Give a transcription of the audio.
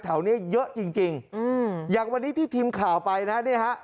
แถวเนี้ยเยอะจริงจริงอืมอย่างวันนี้ที่ทีมข่าวไปนะเนี่ยฮะ